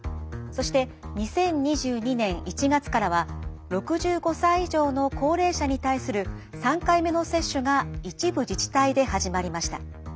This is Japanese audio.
そして２０２２年１月からは６５歳以上の高齢者に対する３回目の接種が一部自治体で始まりました。